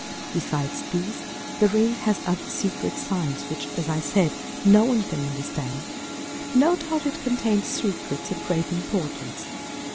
Besides these, the ring has other secret signs which, as I said, no one can understand. No doubt it contains secrets of great importance.